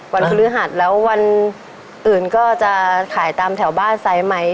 วันธุริหัสแล้ววันอื่นก็จะขายตามแถวบ้านไซส์ไหม